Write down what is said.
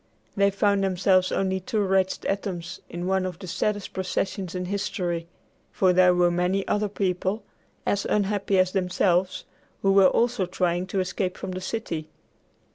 They found themselves only two wretched atoms in one of the saddest processions in history, for there were many other people, as unhappy as themselves, who were also trying to escape from the city.